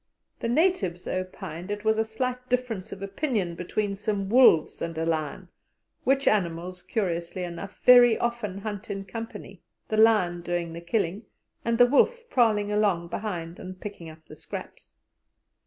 The natives opined it was a slight difference of opinion between some wolves and a lion, which animals, curiously enough, very often hunt in company, the lion doing the killing, and the wolf prowling along behind and picking up the scraps.